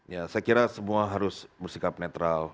ya saya kira semua harus bersikap netral